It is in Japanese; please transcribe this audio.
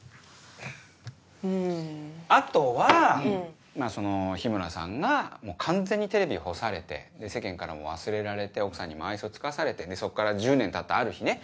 あとは日村さんがもう完全にテレビを干されて世間からも忘れられて奥さんにも愛想つかされてそこから１０年たったある日ね